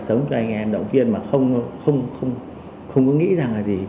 sống cho anh em động viên mà không có nghĩ rằng là gì